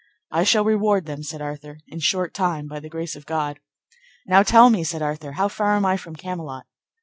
I shall reward them, said Arthur, in short time, by the grace of God. Now, tell me, said Arthur, how far am I from Camelot?